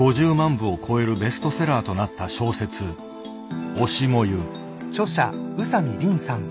部を超えるベストセラーとなった小説「推し、燃ゆ」。